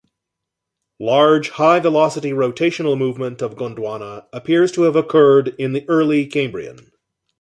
Large, high-velocity rotational movement of Gondwana appears to have occurred in the Early Cambrian.